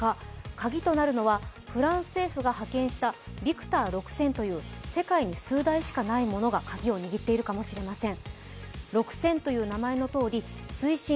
カギとなるのはフランス政府が派遣した「ビクター６０００」という世界に数台しかないものが鍵を握っているかもしれません。